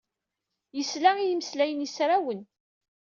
Yesla i yimeslayen yesrawen.